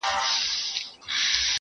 حافظه يې ژوندۍ ساتي تل تل,